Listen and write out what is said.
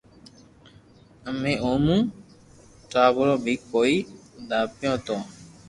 اي مون ٽاڀرو بي ڪوئي داپئي تو